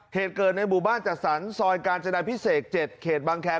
เหตุเกิดในหมู่บ้านจัดสรรซอยกาญจนาพิเศษ๗เขตบางแคร์